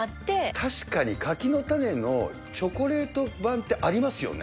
確かに、柿の種のチョコレート版ってありますよね。